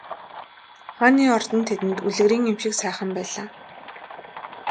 Хааны ордон тэдэнд үлгэрийн юм шиг сайхан байлаа.